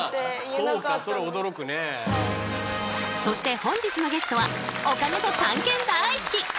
そして本日のゲストはお金と探検だい好き！